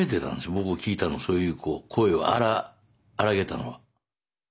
僕が聞いたのそういう声をあらげたのは。